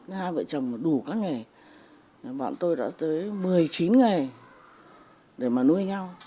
hai vợ chồng đủ các nghề bọn tôi đã tới một mươi chín nghề để mà nuôi nhau